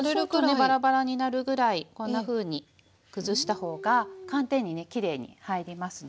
バラバラになるぐらいこんなふうにくずした方が寒天にねきれいに入りますので。